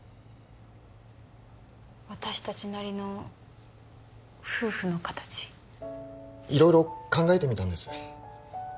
私達なりの夫婦の形いろいろ考えてみたんです